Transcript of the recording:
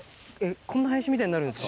こんな林みたいになるんですか。